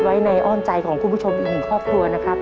ไว้ในอ้อนใจของคุณผู้ชมอีกหนึ่งครอบครัวนะครับ